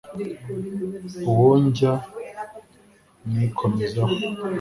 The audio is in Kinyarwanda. uwonjya nikomezaho